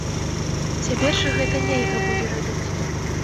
Цяпер жа гэта нельга будзе рабіць.